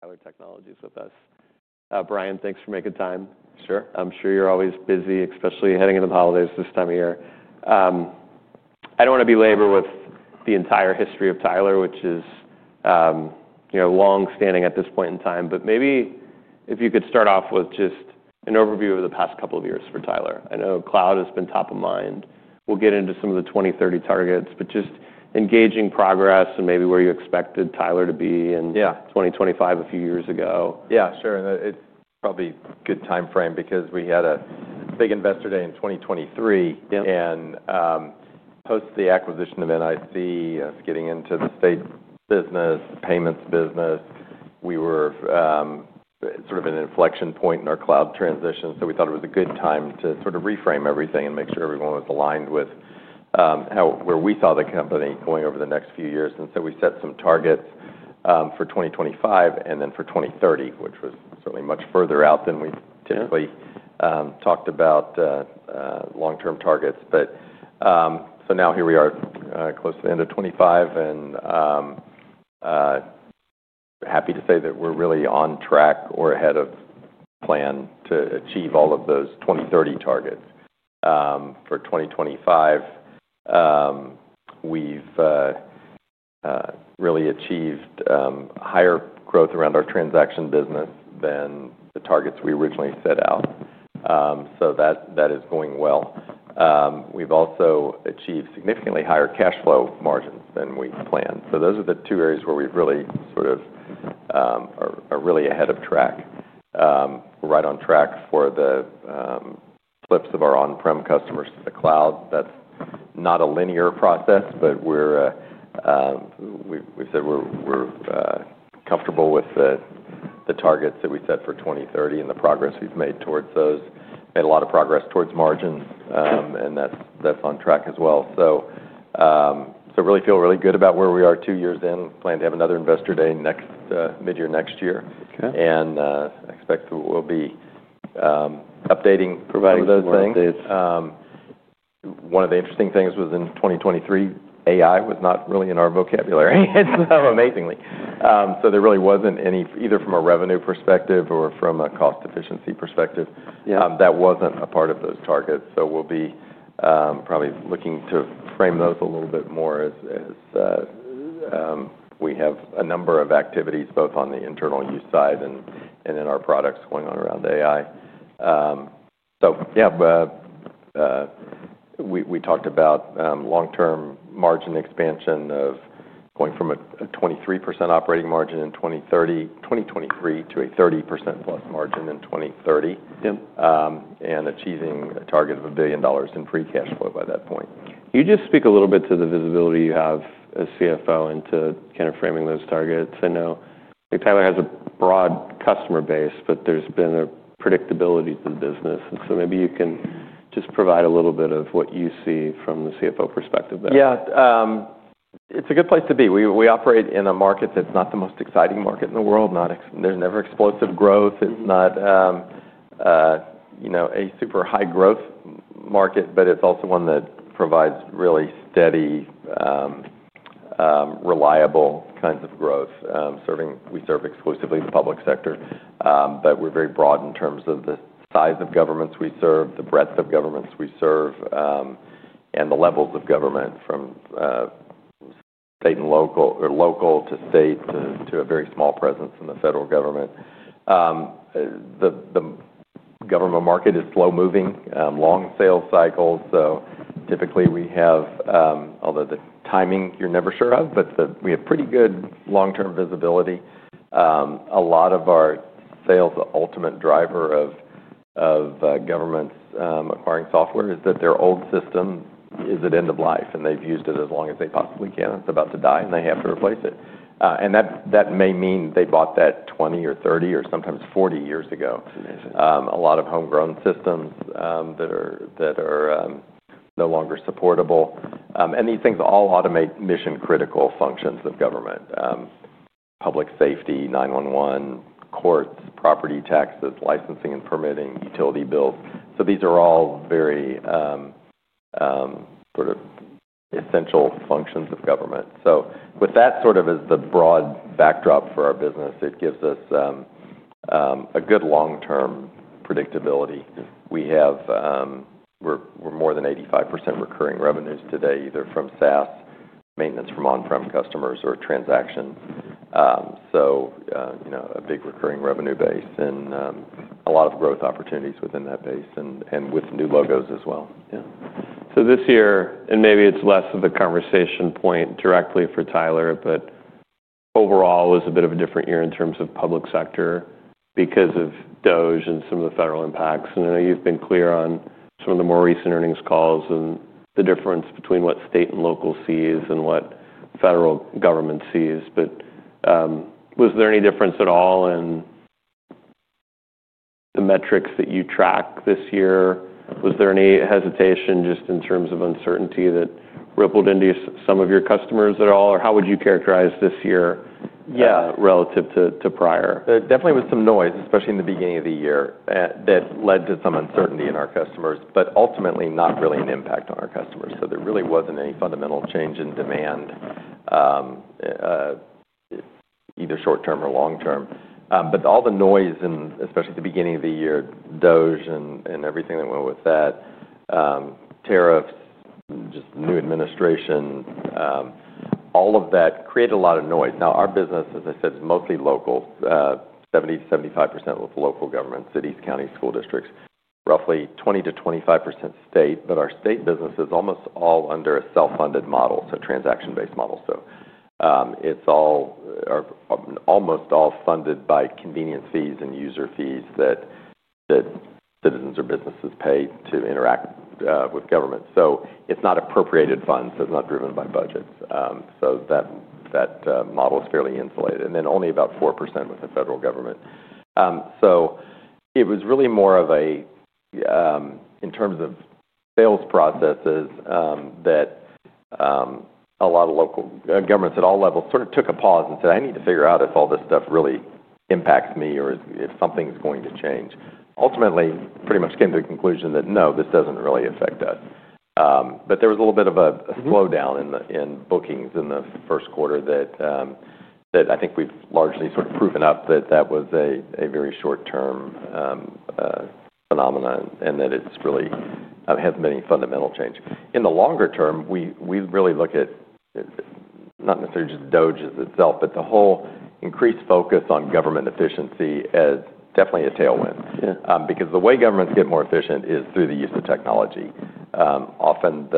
Tyler Technologies with us. Brian, thanks for making time. Sure. I'm sure you're always busy, especially heading into the holidays this time of year. I don't wanna belabor with the entire history of Tyler, which is, you know, long-standing at this point in time. But maybe if you could start off with just an overview of the past couple of years for Tyler. I know cloud has been top of mind. We'll get into some of the 2030 targets, but just engaging progress and maybe where you expected Tyler to be in. Yeah. 2025 a few years ago. Yeah, sure. It's probably a good time frame because we had a big investor day in 2023. Yeah. Post the acquisition of NIC, us getting into the state business, payments business, we were sort of at an inflection point in our cloud transition. We thought it was a good time to sort of reframe everything and make sure everyone was aligned with how, where we saw the company going over the next few years. We set some targets for 2025 and then for 2030, which was certainly much further out than we typically. Talked about long-term targets. Now here we are, close to the end of 2025, and happy to say that we're really on track or ahead of plan to achieve all of those 2030 targets. For 2025, we've really achieved higher growth around our transaction business than the targets we originally set out, so that is going well. We've also achieved significantly higher cash flow margins than we planned. Those are the two areas where we've really sort of, are really ahead of track. We're right on track for the flips of our on-prem customers to the cloud. That's not a linear process, but we've said we're comfortable with the targets that we set for 2030 and the progress we've made towards those. Made a lot of progress towards margins, and that's on track as well. So really feel really good about where we are two years in. Plan to have another investor day next, mid-year next year. Okay. Expect that we'll be updating. Providing some more updates. Providing some more updates. One of the interesting things was in 2023, AI was not really in our vocabulary. Amazingly, there really was not any, either from a revenue perspective or from a cost efficiency perspective. Yeah. that wasn't a part of those targets. We'll be, probably looking to frame those a little bit more as, as, we have a number of activities both on the internal use side and, and in our products going on around AI. Yeah, we, we talked about, long-term margin expansion of going from a 23% operating margin in 2023 to a 30%+ margin in 2030. Yep. and achieving a target of $1 billion in free cash flow by that point. Can you just speak a little bit to the visibility you have as CFO into kind of framing those targets? I know Tyler has a broad customer base, but there's been a predictability to the business. Maybe you can just provide a little bit of what you see from the CFO perspective there. Yeah. It's a good place to be. We operate in a market that's not the most exciting market in the world. There's never explosive growth. It's not, you know, a super high growth market, but it's also one that provides really steady, reliable kinds of growth, serving—we serve exclusively the public sector. We're very broad in terms of the size of governments we serve, the breadth of governments we serve, and the levels of government from state and local or local to state to a very small presence in the federal government. The government market is slow-moving, long sales cycles. Typically we have, although the timing you're never sure of, we have pretty good long-term visibility. A lot of our sales, the ultimate driver of governments acquiring software is that their old system is at end of life and they've used it as long as they possibly can. It's about to die and they have to replace it. That may mean they bought that 20 or 30 or sometimes 40 years ago. Amazing. A lot of homegrown systems that are no longer supportable, and these things all automate mission-critical functions of government: public safety, 911, courts, property taxes, licensing and permitting, utility bills. These are all very, sort of essential functions of government. With that as the broad backdrop for our business, it gives us good long-term predictability. We have more than 85% recurring revenues today, either from SaaS, maintenance from on-prem customers, or transactions. You know, a big recurring revenue base and a lot of growth opportunities within that base and with new logos as well. Yeah. So this year, and maybe it's less of a conversation point directly for Tyler, but overall it was a bit of a different year in terms of public sector because of DOGE and some of the federal impacts. I know you've been clear on some of the more recent earnings calls and the difference between what state and local sees and what federal government sees. Was there any difference at all in the metrics that you track this year? Was there any hesitation just in terms of uncertainty that rippled into some of your customers at all? How would you characterize this year? Yeah. relative to prior? Definitely with some noise, especially in the beginning of the year, that led to some uncertainty in our customers, but ultimately not really an impact on our customers. There really was not any fundamental change in demand, either short-term or long-term. All the noise and especially at the beginning of the year, DOGE and everything that went with that, tariffs, just the new administration, all of that created a lot of noise. Now our business, as I said, is mostly local, 70%-75% with local government, cities, counties, school districts, roughly 20%-25% state. Our state business is almost all under a self-funded model, so transaction-based model. It is all, or almost all, funded by convenience fees and user fees that citizens or businesses pay to interact with government. It is not appropriated funds. It is not driven by budgets. That model is fairly insulated. Only about 4% with the federal government. It was really more of a, in terms of sales processes, a lot of local governments at all levels sort of took a pause and said, "I need to figure out if all this stuff really impacts me or if something's going to change." Ultimately, pretty much came to the conclusion that, "No, this doesn't really affect us." There was a little bit of a slowdown in bookings in the first quarter that I think we've largely sort of proven up that was a very short-term phenomenon and that it really hasn't been any fundamental change. In the longer term, we really look at, not necessarily just DOGE itself, but the whole increased focus on government efficiency as definitely a tailwind. Yeah. because the way governments get more efficient is through the use of technology. Often,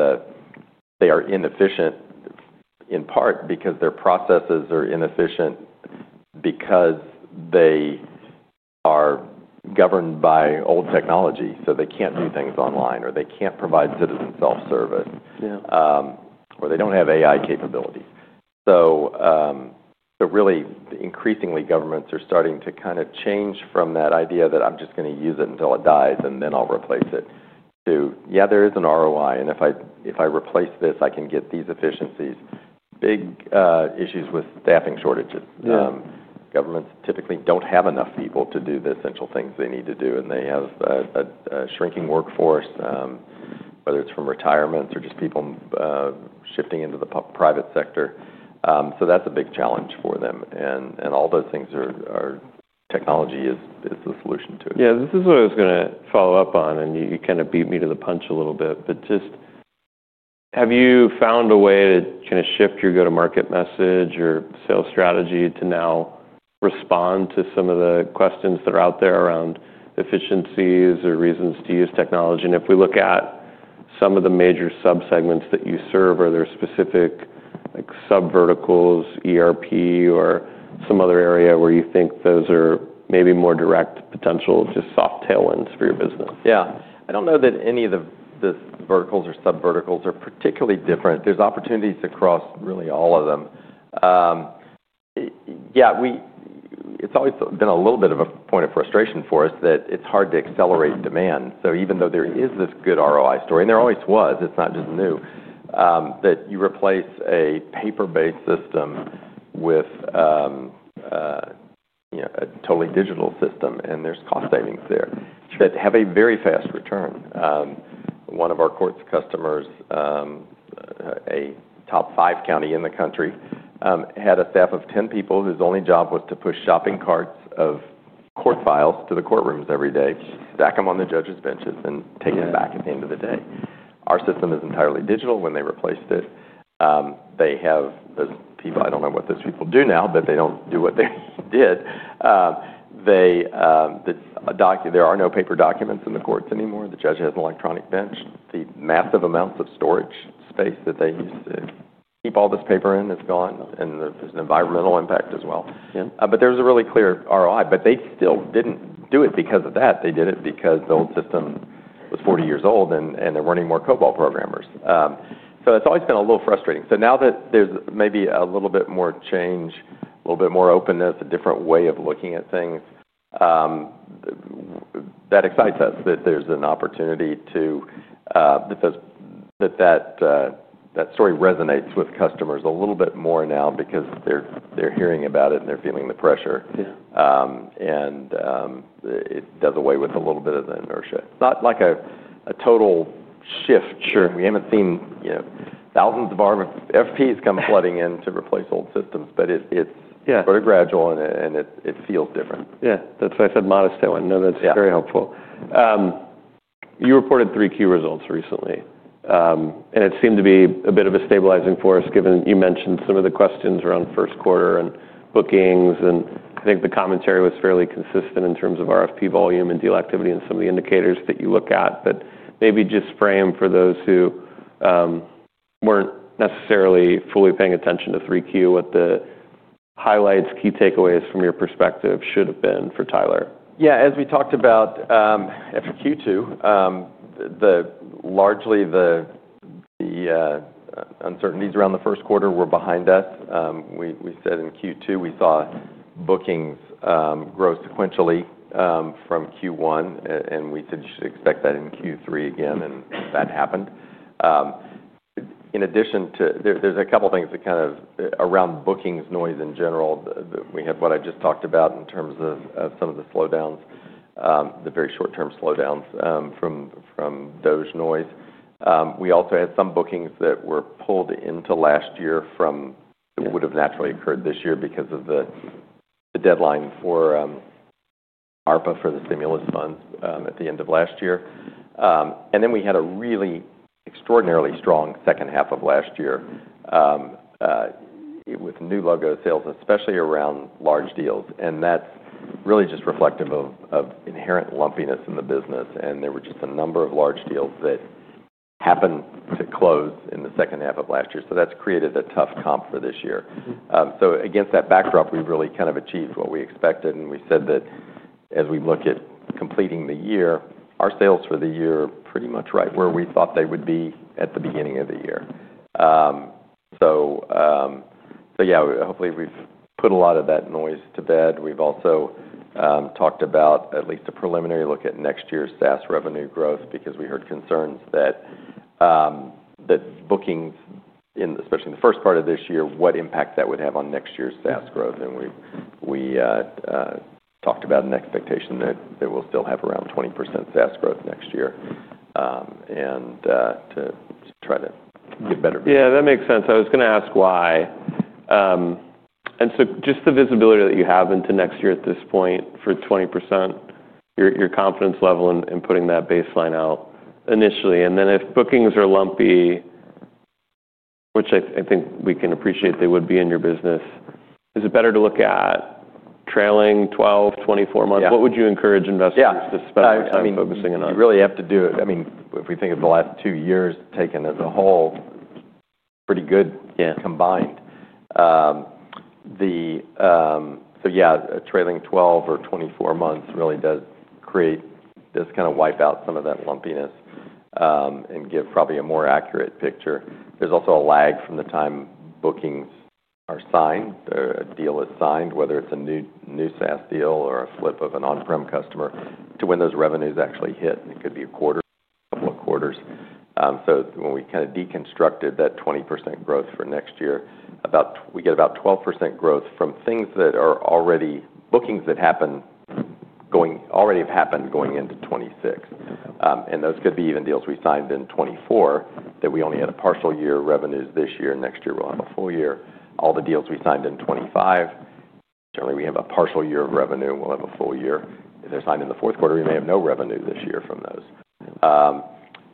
they are inefficient in part because their processes are inefficient because they are governed by old technology. So they can't do things online or they can't provide citizen self-service. Yeah. or they don't have AI capabilities. So really, increasingly, governments are starting to kind of change from that idea that, "I'm just gonna use it until it dies and then I'll replace it," to, "Yeah, there is an ROI, and if I, if I replace this, I can get these efficiencies." Big issues with staffing shortages. Yeah. Governments typically don't have enough people to do the essential things they need to do, and they have a shrinking workforce, whether it's from retirements or just people shifting into the private sector. That's a big challenge for them. All those things are, our technology is the solution to it. Yeah. This is what I was gonna follow up on, and you kind of beat me to the punch a little bit, but just have you found a way to kind of shift your go-to-market message or sales strategy to now respond to some of the questions that are out there around efficiencies or reasons to use technology? If we look at some of the major sub-segments that you serve, are there specific, like, sub-verticals, ERP, or some other area where you think those are maybe more direct potential, just soft tailwinds for your business? Yeah. I don't know that any of the verticals or sub-verticals are particularly different. There's opportunities across really all of them. Yeah, it's always been a little bit of a point of frustration for us that it's hard to accelerate demand. Even though there is this good ROI story, and there always was, it's not just new, that you replace a paper-based system with, you know, a totally digital system, and there's cost savings there, that have a very fast return. One of our courts customers, a top five county in the country, had a staff of 10 people whose only job was to push shopping carts of court files to the courtrooms every day, stack them on the judge's benches, and take them back at the end of the day. Our system is entirely digital when they replaced it. They have those people, I don't know what those people do now, but they don't do what they did. The doc, there are no paper documents in the courts anymore. The judge has an electronic bench. The massive amounts of storage space that they used to keep all this paper in is gone, and there's an environmental impact as well. Yeah. There was a really clear ROI, but they still did not do it because of that. They did it because the old system was 40 years old and there were not any more COBOL programmers. It has always been a little frustrating. Now that there is maybe a little bit more change, a little bit more openness, a different way of looking at things, that excites us that there is an opportunity, that that story resonates with customers a little bit more now because they are hearing about it and they are feeling the pressure. Yeah. It does away with a little bit of the inertia. It's not like a, a total shift. Sure. We haven't seen, you know, thousands of RFPs come flooding in to replace old systems, but it, it's. Yeah. Sort of gradual and it feels different. Yeah. That's why I said modest tailwind. Yeah. I know that's very helpful. You reported three key results recently, and it seemed to be a bit of a stabilizing force given you mentioned some of the questions around first quarter and bookings. I think the commentary was fairly consistent in terms of RFP volume and deal activity and some of the indicators that you look at. Maybe just frame for those who weren't necessarily fully paying attention to 3Q, what the highlights, key takeaways from your perspective should have been for Tyler. Yeah. As we talked about, after Q2, largely the uncertainties around the first quarter were behind us. We said in Q2 we saw bookings grow sequentially from Q1, and we said you should expect that in Q3 again, and that happened. In addition to that, there are a couple of things that kind of are around bookings noise in general. We had what I just talked about in terms of some of the slowdowns, the very short-term slowdowns from DOGE noise. We also had some bookings that were pulled into last year that would have naturally occurred this year because of the deadline for ARPA for the stimulus funds at the end of last year. Then we had a really extraordinarily strong second half of last year with new logo sales, especially around large deals. That is really just reflective of inherent lumpiness in the business. There were just a number of large deals that happened to close in the second half of last year. That has created a tough comp for this year. Against that backdrop, we really kind of achieved what we expected. We said that as we look at completing the year, our sales for the year are pretty much right where we thought they would be at the beginning of the year. Hopefully, we have put a lot of that noise to bed. We have also talked about at least a preliminary look at next year's SaaS revenue growth because we heard concerns that bookings in, especially in the first part of this year, what impact that would have on next year's SaaS growth. We talked about an expectation that we'll still have around 20% SaaS growth next year, and to try to get better. Yeah. That makes sense. I was gonna ask why. And so just the visibility that you have into next year at this point for 20%, your confidence level in, in putting that baseline out initially. And then if bookings are lumpy, which I, I think we can appreciate they would be in your business, is it better to look at trailing 12, 24 months? Yeah. What would you encourage investors to spend more time focusing on? Yeah. I mean, you really have to do it. I mean, if we think of the last two years taken as a whole, pretty good. Yeah. Combined, the, so yeah, trailing 12 or 24 months really does create, does kind of wipe out some of that lumpiness, and give probably a more accurate picture. There's also a lag from the time bookings are signed, a deal is signed, whether it's a new, new SaaS deal or a flip of an on-prem customer, to when those revenues actually hit. It could be a quarter, a couple of quarters. When we kind of deconstructed that 20% growth for next year, we get about 12% growth from things that are already bookings that have already happened going into 2026. Those could be even deals we signed in 2024 that we only had a partial year of revenues this year. Next year we'll have a full year. All the deals we sign in 2025, generally we have a partial year of revenue. We'll have a full year. If they're signed in the fourth quarter, we may have no revenue this year from those.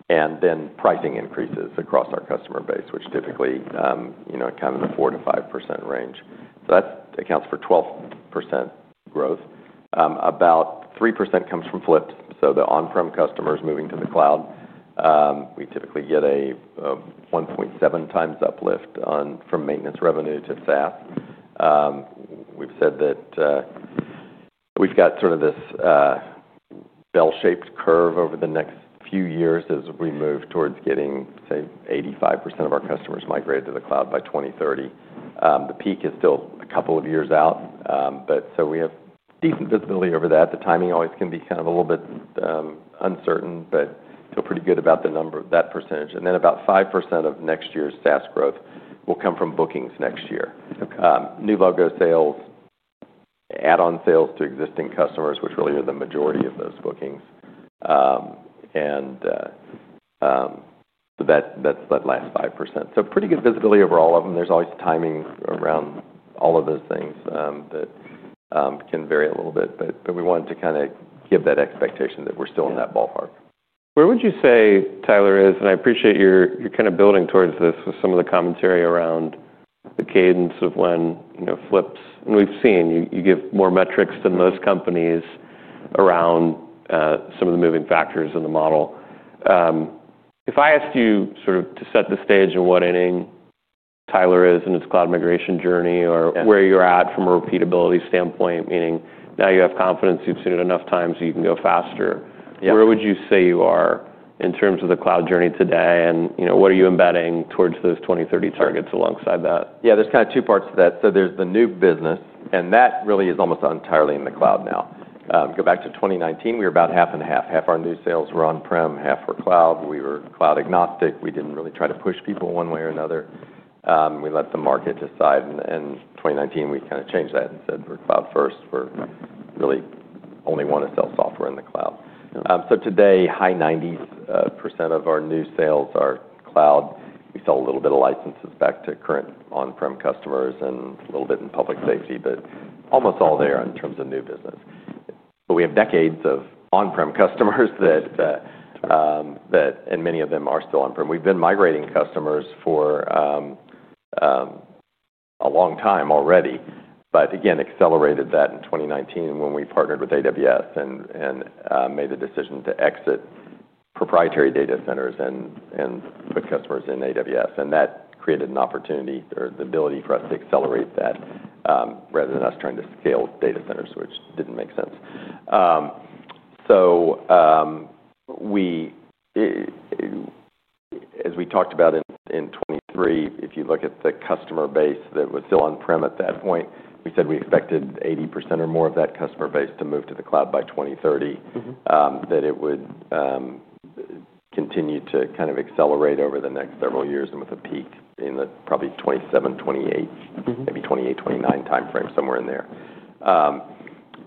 And then pricing increases across our customer base, which typically, you know, kind of in the 4%-5% range. That accounts for 12% growth. About 3% comes from flips. So the on-prem customers moving to the cloud, we typically get a 1.7x uplift on from maintenance revenue to SaaS. We've said that we've got sort of this bell-shaped curve over the next few years as we move towards getting, say, 85% of our customers migrated to the cloud by 2030. The peak is still a couple of years out, but we have decent visibility over that. The timing always can be kind of a little bit uncertain, but feel pretty good about the number, that percentage. About 5% of next year's SaaS growth will come from bookings next year. New logo sales, add-on sales to existing customers, which really are the majority of those bookings. That is that last 5%. Pretty good visibility over all of them. There is always timing around all of those things that can vary a little bit, but we wanted to kind of give that expectation that we are still in that ballpark. Where would you say Tyler is? I appreciate your, you're kind of building towards this with some of the commentary around the cadence of when, you know, flips. We've seen you give more metrics than most companies around some of the moving factors in the model. If I asked you sort of to set the stage of what inning Tyler is in its cloud migration journey or where you're at from a repeatability standpoint, meaning now you have confidence, you've seen it enough times so you can go faster. Yeah. Where would you say you are in terms of the cloud journey today? You know, what are you embedding towards those 2030 targets alongside that? Yeah. There's kind of two parts to that. There's the new business, and that really is almost entirely in the cloud now. Go back to 2019, we were about half and half. Half our new sales were on-prem, half were cloud. We were cloud agnostic. We did not really try to push people one way or another. We let the market decide. In 2019, we kind of changed that and said we are cloud first. We really only want to sell software in the cloud. Today, high 90s percent of our new sales are cloud. We sell a little bit of licenses back to current on-prem customers and a little bit in public safety, but almost all there in terms of new business. We have decades of on-prem customers, and many of them are still on-prem. We've been migrating customers for a long time already, but again, accelerated that in 2019 when we partnered with AWS and made a decision to exit proprietary data centers and put customers in AWS. That created an opportunity or the ability for us to accelerate that, rather than us trying to scale data centers, which did not make sense. As we talked about in 2023, if you look at the customer base that was still on-prem at that point, we said we expected 80% or more of that customer base to move to the cloud by 2030. Mm-hmm. that it would, continue to kind of accelerate over the next several years and with a peak in the probably 2027, 2028, maybe 2028, 2029 timeframe, somewhere in there.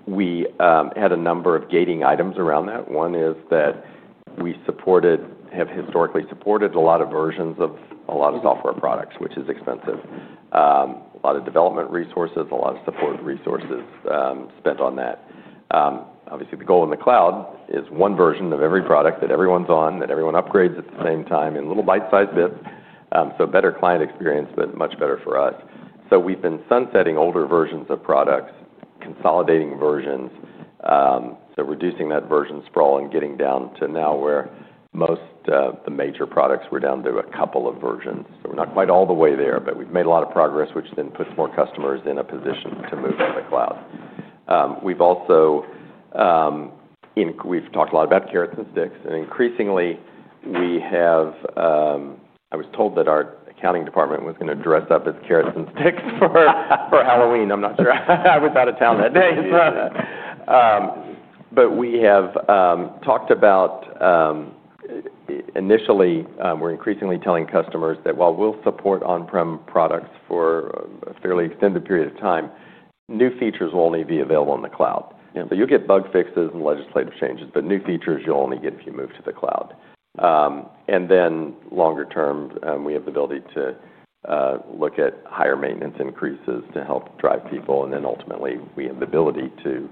we, had a number of gating items around that. One is that we supported, have historically supported a lot of versions of a lot of software products, which is expensive. a lot of development resources, a lot of support resources, spent on that. obviously the goal in the cloud is one version of every product that everyone's on, that everyone upgrades at the same time in little bite-sized bits. better client experience, but much better for us. we have been sunsetting older versions of products, consolidating versions, so reducing that version sprawl and getting down to now where most, the major products were down to a couple of versions. We're not quite all the way there, but we've made a lot of progress, which then puts more customers in a position to move to the cloud. We've also, we've talked a lot about carrots and sticks. Increasingly, we have, I was told that our accounting department was gonna dress up as carrots and sticks for Halloween. I'm not sure, I was out of town that day. We have talked about, initially, we're increasingly telling customers that while we'll support on-prem products for a fairly extended period of time, new features will only be available in the cloud. Yeah. You'll get bug fixes and legislative changes, but new features you'll only get if you move to the cloud. Then longer term, we have the ability to look at higher maintenance increases to help drive people. Ultimately, we have the ability to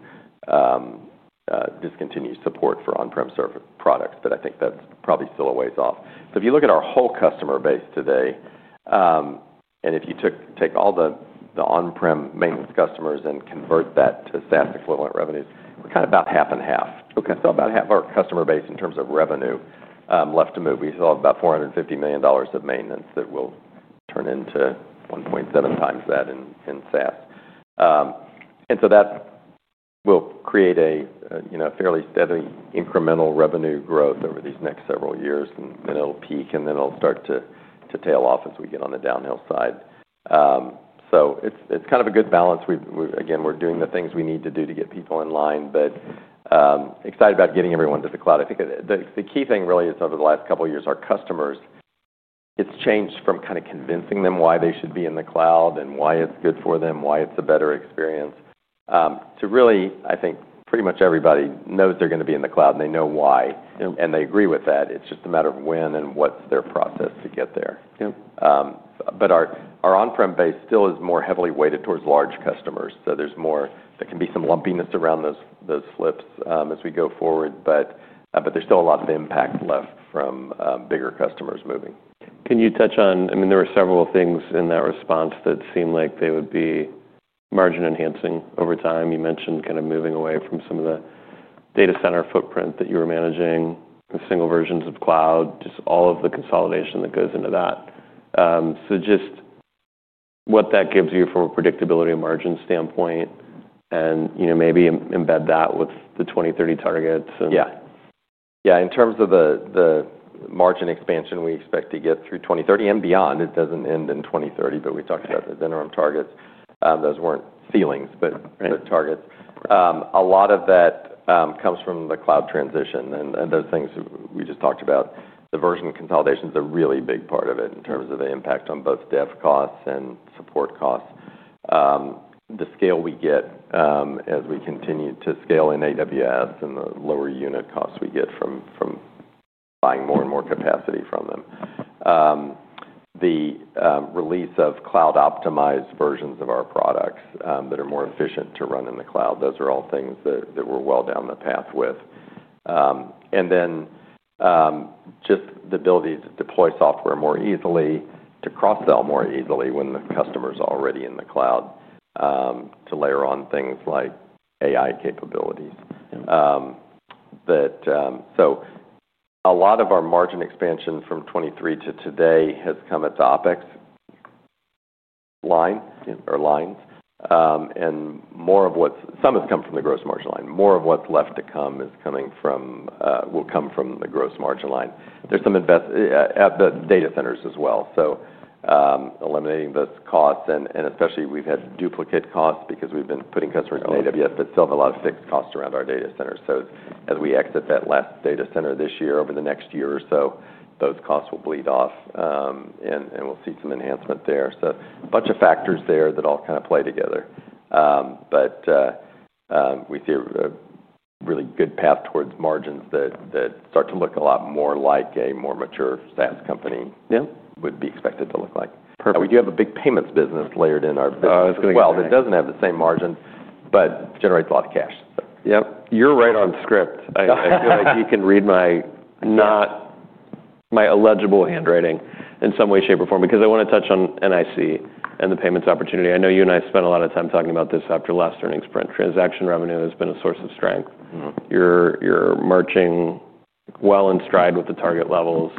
discontinue support for on-prem server products, but I think that's probably still a ways off. If you look at our whole customer base today, and if you take all the on-prem maintenance customers and convert that to SaaS equivalent revenues, we're kind of about half and half. Okay. Still about half our customer base in terms of revenue, left to move. We still have about $450 million of maintenance that will turn into 1.7x that in, in SaaS, and so that will create a, you know, a fairly steady incremental revenue growth over these next several years. Then it'll peak and then it'll start to, to tail off as we get on the downhill side. It's kind of a good balance. We've, we've again, we're doing the things we need to do to get people in line, but excited about getting everyone to the cloud. I think the key thing really is over the last couple of years, our customers, it's changed from kind of convincing them why they should be in the cloud and why it's good for them, why it's a better experience, to really, I think pretty much everybody knows they're gonna be in the cloud and they know why. Yep. They agree with that. It's just a matter of when and what's their process to get there. Yep. Our on-prem base still is more heavily weighted towards large customers. There can be some lumpiness around those flips as we go forward, but there's still a lot of impact left from bigger customers moving. Can you touch on, I mean, there were several things in that response that seemed like they would be margin enhancing over time. You mentioned kind of moving away from some of the data center footprint that you were managing, the single versions of cloud, just all of the consolidation that goes into that. So just what that gives you from a predictability and margin standpoint and, you know, maybe embed that with the 2030 targets and. Yeah. Yeah. In terms of the margin expansion we expect to get through 2030 and beyond, it doesn't end in 2030, but we talked about those interim targets. Those weren't ceilings, but. Right. Targets. A lot of that comes from the cloud transition and those things we just talked about. The version consolidation is a really big part of it in terms of the impact on both dev costs and support costs. The scale we get as we continue to scale in AWS and the lower unit costs we get from buying more and more capacity from them. The release of cloud optimized versions of our products that are more efficient to run in the cloud, those are all things that we are well down the path with. And then just the ability to deploy software more easily, to cross-sell more easily when the customer's already in the cloud, to layer on things like AI capabilities. That, so a lot of our margin expansion from 2023 to today has come at the OpEx line or lines. More of what's, some has come from the gross margin line. More of what's left to come is coming from, will come from the gross margin line. There's some invest at the data centers as well. Eliminating those costs and, especially, we've had duplicate costs because we've been putting customers in AWS, but still have a lot of fixed costs around our data centers. As we exit that last data center this year, over the next year or so, those costs will bleed off, and we'll see some enhancement there. A bunch of factors there that all kind of play together. We see a really good path towards margins that start to look a lot more like a more mature SaaS company. Yep. Would be expected to look like. Now we do have a big payments business layered in our business as well. Oh, that's good. That doesn't have the same margins, but generates a lot of cash, so. Yep. You're right on script. I feel like you can read my, not my illegible handwriting, in some way, shape, or form because I want to touch on NIC and the payments opportunity. I know you and I spent a lot of time talking about this after last earnings print. Transaction revenue has been a source of strength. Mm-hmm. You're marching well in stride with the target levels.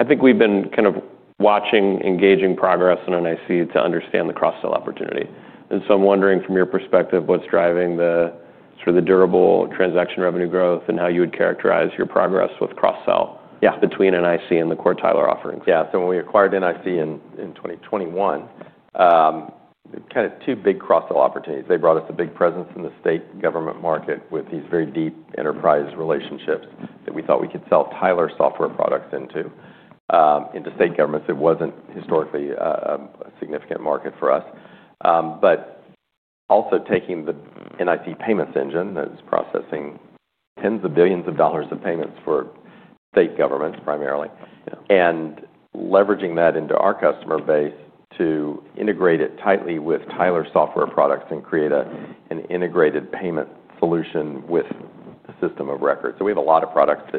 I think we've been kind of watching, engaging progress in NIC to understand the cross-sell opportunity. I'm wondering from your perspective, what's driving the sort of the durable transaction revenue growth and how you would characterize your progress with cross-sell. Between NIC and the core Tyler offerings. So when we acquired NIC in 2021, kind of two big cross-sell opportunities. They brought us a big presence in the state government market with these very deep enterprise relationships that we thought we could sell Tyler software products into, into state governments. It was not historically a significant market for us, but also taking the NIC payments engine that is processing tens of billions of dollars of payments for state governments primarily. Leveraging that into our customer base to integrate it tightly with Tyler software products and create an integrated payment solution with the system of record. We have a lot of products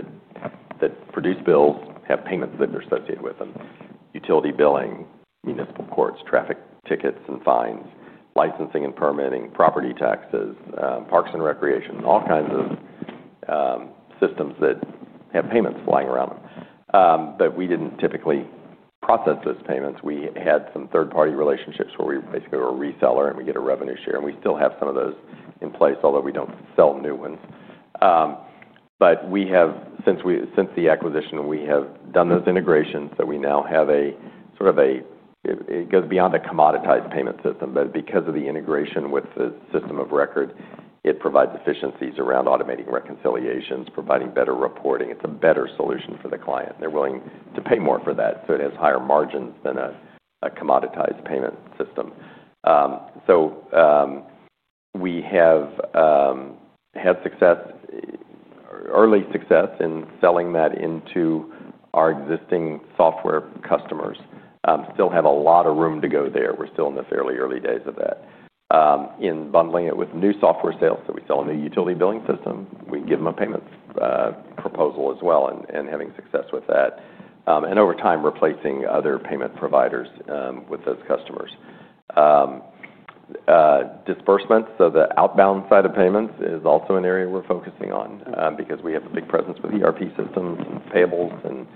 that produce bills, have payments that are associated with them, utility billing, municipal courts, traffic tickets and fines, licensing and permitting, property taxes, parks and recreation, all kinds of systems that have payments flying around them. We did not typically process those payments. We had some third-party relationships where we basically were a reseller and we get a revenue share. We still have some of those in place, although we do not sell new ones. We have, since the acquisition, done those integrations that now have a sort of, it goes beyond a commoditized payment system, but because of the integration with the system of record, it provides efficiencies around automating reconciliations, providing better reporting. It is a better solution for the client. They are willing to pay more for that. It has higher margins than a commoditized payment system. We have had early success in selling that into our existing software customers. Still have a lot of room to go there. We are still in the fairly early days of that. In bundling it with new software sales, we sell a new utility billing system, we give them a payments proposal as well and having success with that, and over time replacing other payment providers with those customers. Disbursements, so the outbound side of payments is also an area we're focusing on, because we have a big presence with ERP systems and payables, and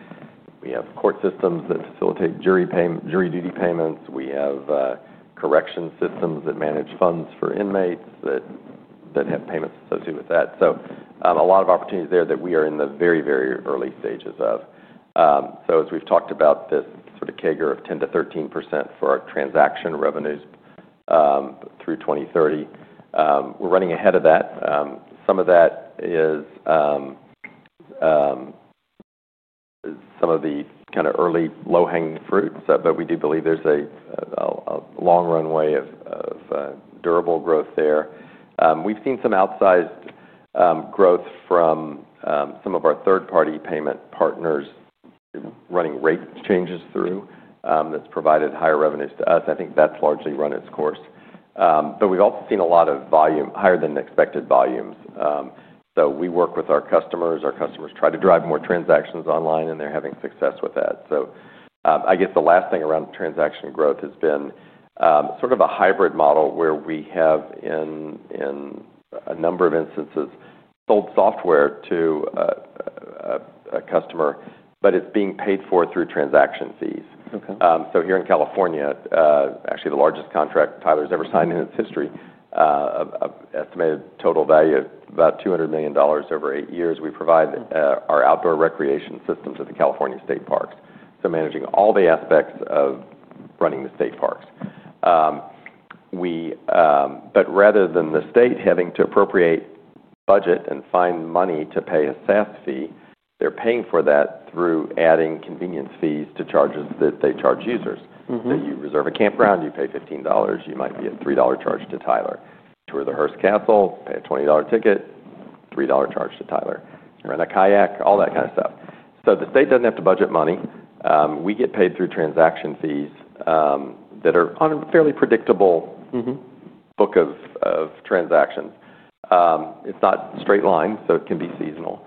we have court systems that facilitate jury payment, jury duty payments. We have correction systems that manage funds for inmates that have payments associated with that. A lot of opportunities there that we are in the very, very early stages of. As we've talked about this sort of CAGR of 10%-13% for our transaction revenues through 2030, we're running ahead of that. Some of that is some of the kind of early low-hanging fruits, but we do believe there's a long runway of durable growth there. We've seen some outsized growth from some of our third-party payment partners running rate changes through, that's provided higher revenues to us. I think that's largely run its course. But we've also seen a lot of volume, higher than expected volumes. We work with our customers. Our customers try to drive more transactions online and they're having success with that. I guess the last thing around transaction growth has been sort of a hybrid model where we have, in a number of instances, sold software to a customer, but it's being paid for through transaction fees. Okay. Here in California, actually the largest contract Tyler's ever signed in its history, of estimated total value of about $200 million over eight years, we provide our outdoor recreation systems at the California State Parks. Managing all the aspects of running the state parks. We, but rather than the state having to appropriate budget and find money to pay a SaaS fee, they're paying for that through adding convenience fees to charges that they charge users. Mm-hmm. You reserve a campground, you pay $15, you might be a $3 charge to Tyler. Tour the Hearst Castle, pay a $20 ticket, $3 charge to Tyler. Rent a kayak, all that kind of stuff. The state does not have to budget money. We get paid through transaction fees, that are fairly predictable. Mm-hmm. Book of transactions. It's not straight line, so it can be seasonal.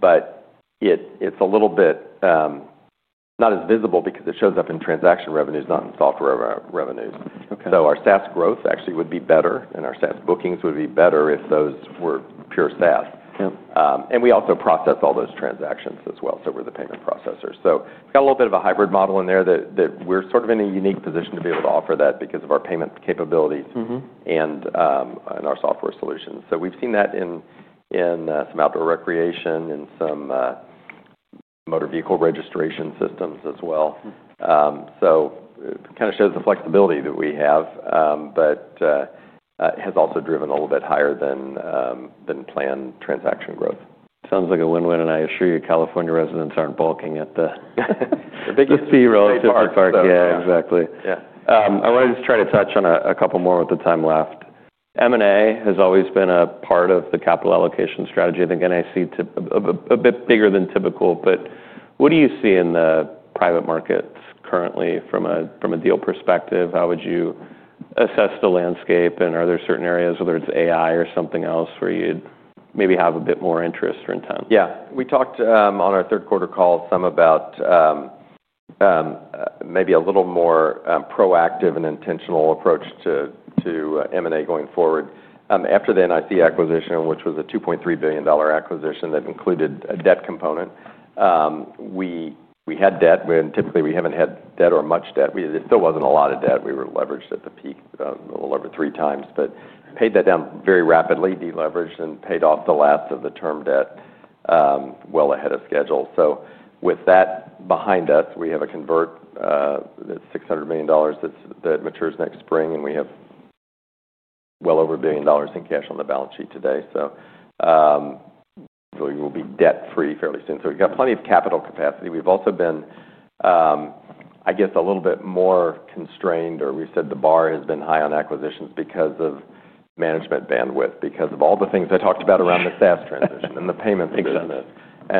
But it's a little bit not as visible because it shows up in transaction revenues, not in software revenues. Okay. Our SaaS growth actually would be better and our SaaS bookings would be better if those were pure SaaS. Yep. We also process all those transactions as well. We are the payment processor. We have got a little bit of a hybrid model in there that we are sort of in a unique position to be able to offer that because of our payment capabilities. Mm-hmm. And our software solutions. We've seen that in some outdoor recreation and some motor vehicle registration systems as well. It kind of shows the flexibility that we have, but has also driven a little bit higher than planned transaction growth. Sounds like a win-win. I assure you California residents aren't balking at the, the biggest fee relative to parks. Yeah. Yeah, exactly. Yeah. I wanted to just try to touch on a couple more with the time left. M&A has always been a part of the capital allocation strategy. I think NIC to a bit bigger than typical, but what do you see in the private markets currently from a deal perspective? How would you assess the landscape and are there certain areas, whether it's AI or something else where you'd maybe have a bit more interest or intent? Yeah. We talked, on our third quarter call some about, maybe a little more, proactive and intentional approach to, to, M&A going forward. After the NIC acquisition, which was a $2.3 billion acquisition that included a debt component, we, we had debt. And typically we have not had debt or much debt. It still was not a lot of debt. We were leveraged at the peak, a little over three times, but paid that down very rapidly, deleveraged, and paid off the last of the term debt, well ahead of schedule. With that behind us, we have a convert, that is $600 million that matures next spring. We have well over $1 billion in cash on the balance sheet today. We will be debt-free fairly soon. We have got plenty of capital capacity. We've also been, I guess, a little bit more constrained, or we said the bar has been high on acquisitions because of management bandwidth, because of all the things I talked about around the SaaS transition and the payments. A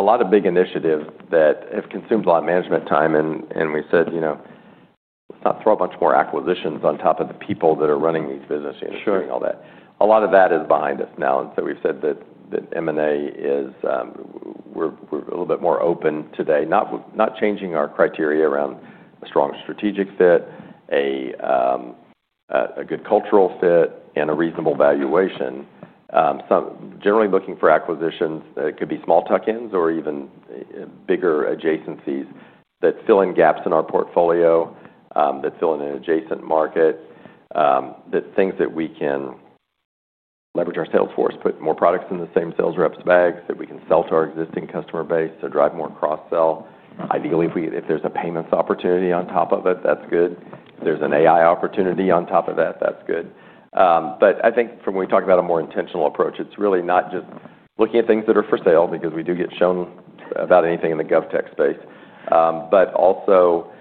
lot of big initiatives that have consumed a lot of management time. And we said, you know, let's not throw a bunch more acquisitions on top of the people that are running these business units. Sure. Doing all that. A lot of that is behind us now. We've said that M&A is, we're, we're a little bit more open today, not changing our criteria around a strong strategic fit, a good cultural fit, and a reasonable valuation. Generally looking for acquisitions that could be small tuck-ins or even bigger adjacencies that fill in gaps in our portfolio, that fill in an adjacent market, things that we can leverage our sales force, put more products in the same sales reps' bags that we can sell to our existing customer base to drive more cross-sell. Ideally, if there's a payments opportunity on top of it, that's good. If there's an AI opportunity on top of that, that's good. I think from when we talk about a more intentional approach, it's really not just looking at things that are for sale because we do get shown about anything in the GovTech space, but also,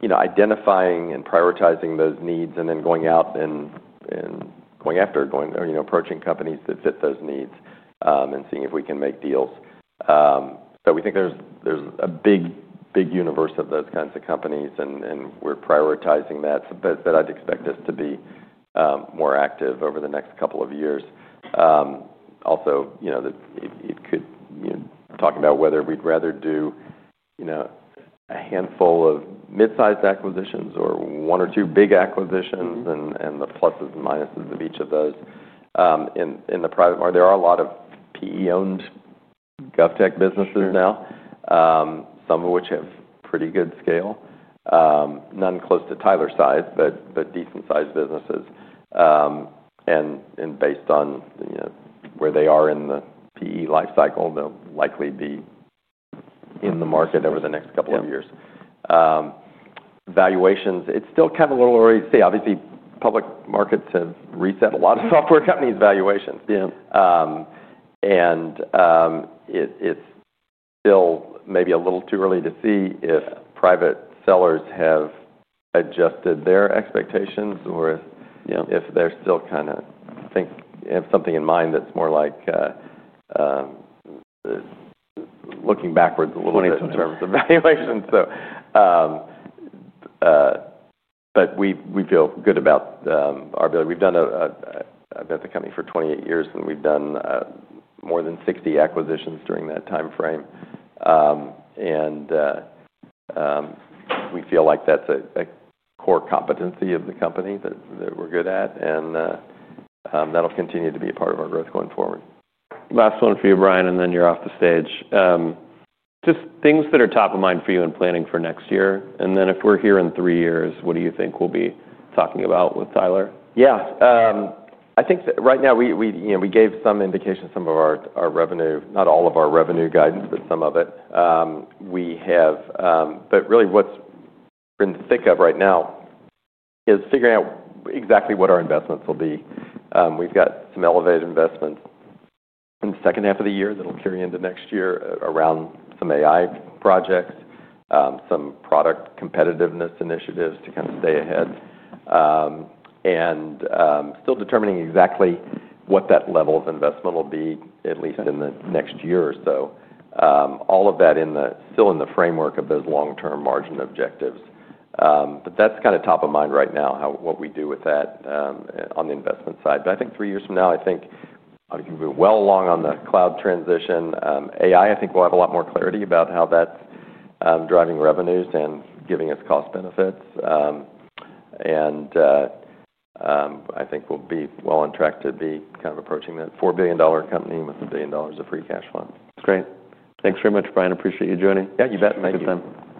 you know, identifying and prioritizing those needs and then going out and approaching companies that fit those needs, and seeing if we can make deals. We think there's a big, big universe of those kinds of companies and we're prioritizing that, but I'd expect us to be more active over the next couple of years. Also, you know, it could, you know, talking about whether we'd rather do a handful of mid-sized acquisitions or one or two big acquisitions and the pluses and minuses of each of those. In the private market, there are a lot of PE-owned GovTech businesses now. Some of which have pretty good scale, none close to Tyler size, but decent-sized businesses. And, and based on, you know, where they are in the PE life cycle, they'll likely be in the market over the next couple of years. Valuations, it's still kind of a little early. See, obviously public markets have reset a lot of software companies' valuations. It's still maybe a little too early to see if private sellers have adjusted their expectations or if they're still kind of think have something in mind that's more like, looking backwards a little bit. In terms of valuation, we feel good about our ability. I've been at the company for 28 years and we've done more than 60 acquisitions during that timeframe, and we feel like that's a core competency of the company that we're good at. That'll continue to be a part of our growth going forward. Last one for you, Brian, and then you're off the stage. Just things that are top of mind for you in planning for next year. And then if we're here in three years, what do you think we'll be talking about with Tyler? Yeah. I think right now we, you know, we gave some indication, some of our revenue, not all of our revenue guidance, but some of it. We have, but really what's in the thick of right now is figuring out exactly what our investments will be. We've got some elevated investments in the second half of the year that'll carry into next year around some AI projects, some product competitiveness initiatives to kind of stay ahead. And, still determining exactly what that level of investment will be, at least in the next year or so. All of that is still in the framework of those long-term margin objectives. But that's kind of top of mind right now, what we do with that, on the investment side. I think three years from now, I think we'll be well along on the cloud transition. AI, I think we'll have a lot more clarity about how that's driving revenues and giving us cost benefits. And, I think we'll be well on track to be kind of approaching that $4 billion company with a billion dollars of free cash flow. Great. Thanks very much, Brian. Appreciate you joining. Yeah, you bet. Thank you. Good, thanks. Thanks.